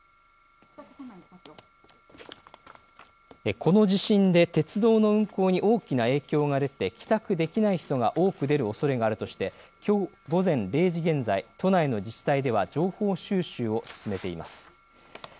この地震で鉄道の運行に大きな影響が出て帰宅できない人が多く出るおそれがあるとして午前０時現在、都内の自治体では情報収集を進めています。